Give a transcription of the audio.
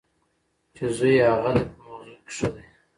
چې زوی یې هغه دی په مغزو کې ښه دی.